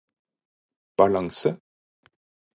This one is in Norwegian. balanse